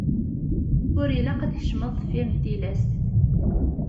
Ur ilaq ad d-tkecmeḍ deffir n tillas.